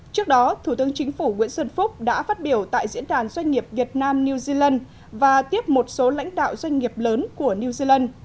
trước đó thủ tướng chính phủ nguyễn xuân phúc đã phát biểu tại diễn đàn doanh nghiệp việt nam new zealand và tiếp một số lãnh đạo doanh nghiệp lớn của new zealand